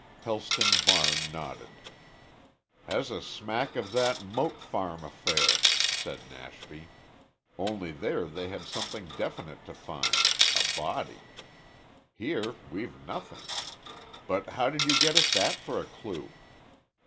Helston Varne nodded. "Has a smack of that Moat Farm affair," said Nashby, "only there they had something definite to find a body. Here we've nothing. But how did you get at that for a clue?"